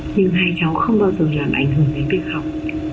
nhưng hai cháu không bao giờ làm ảnh hưởng đến việc học